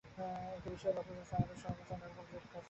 একটা বিষয় লক্ষ করেছি, আমাদের সবার মধ্যে অন্য রকম জেদ কাজ করছে।